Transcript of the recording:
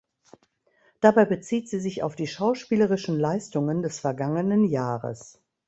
Dabei bezieht sie sich auf die schauspielerischen Leistungen des vergangenen Jahres.